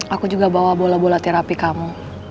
aku juga bawa bola bola terapi kamu